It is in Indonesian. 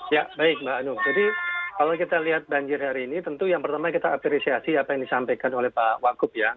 ya baik mbak anu jadi kalau kita lihat banjir hari ini tentu yang pertama kita apresiasi apa yang disampaikan oleh pak wagup ya